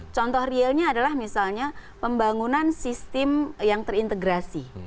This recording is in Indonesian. contoh realnya adalah misalnya pembangunan sistem yang terintegrasi